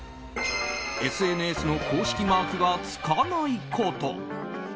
ＳＮＳの公式マークがつかないこと。